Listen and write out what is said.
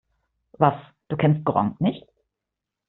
Was, du kennst Gronkh nicht?